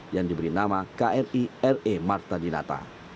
yang diberi nama kri re marta dinata